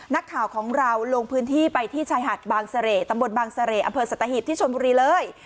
นักข่าวของเราลงพื้นที่ไปที่ชายหาดบางเสร่ตำบลบางเสร่อำเภอสัตหิบที่ชนบุรีเลย